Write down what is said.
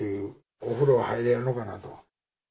お風呂入れるのかなと。